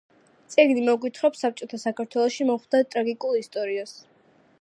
წიგნი მოგვითხრობს საბჭოთა საქართველოში მომხდარ ტრაგიკულ ისტორიას